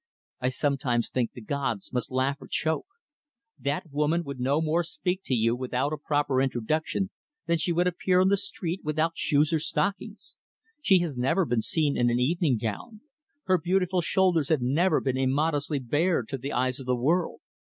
I sometimes think the Gods must laugh or choke. That woman would no more speak to you without a proper introduction than she would appear on the street without shoes or stockings. She has never been seen in an evening gown. Her beautiful shoulders have never been immodestly bared to the eyes of the world."